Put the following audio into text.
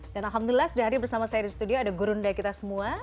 dan alhamdulillah sedari bersama saya di studio ada gurunda kita semua